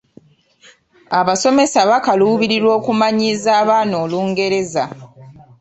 Abasomesa bakaluubirirwa okumanyiiza abaana Olungereza.